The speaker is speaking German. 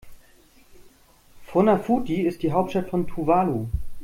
Funafuti ist die Hauptstadt von Tuvalu.